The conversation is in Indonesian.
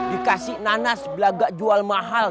dikasih nanas belagak jual mahal